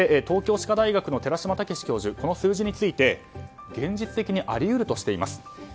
東京歯科大学の寺嶋毅教授はこの数字について現実的にあり得るとしています。